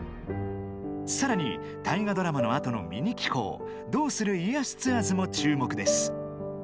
さらに大河ドラマの後のミニ紀行「どうする家康ツアーズ」も注目です。